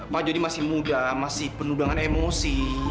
pak jody masih muda masih penuh dengan emosi